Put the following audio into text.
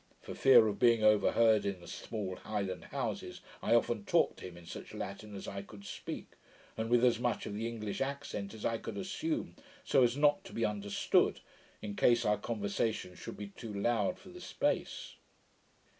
For fear of being overheard in the small Highland houses, I often talked to him in such Latin as I could speak, and with as much of the English accent as I could assume, so as not to be understood, in case our conversation should be too loud for the space.